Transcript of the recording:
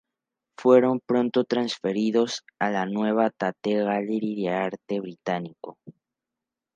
Fueron pronto transferidos a la nueva Tate Gallery de Arte británico.